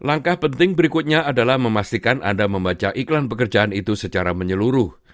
langkah penting berikutnya adalah memastikan anda membaca iklan pekerjaan itu secara menyeluruh